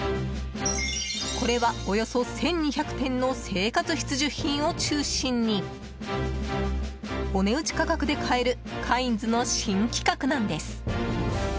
これは、およそ１２００点の生活必需品を中心にお値打ち価格で買えるカインズの新企画なんです。